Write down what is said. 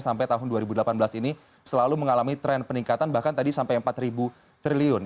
sampai tahun dua ribu delapan belas ini selalu mengalami tren peningkatan bahkan tadi sampai empat triliun